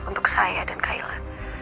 untuk saya dan kayla